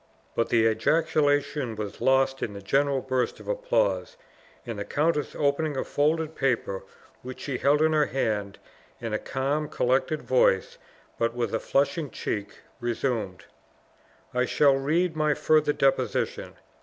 but the ejaculation was lost in the general burst of applause; and the countess opening a folded paper which she held in her hand, in a calm, collected voice, but with a flushing cheek, resumed: "I shall read my further deposition.